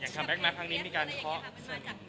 คำแรกมาทางนี้มีการคลอด